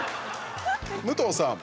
武藤さん。